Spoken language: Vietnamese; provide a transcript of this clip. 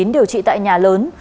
điều trị tại nhà lớn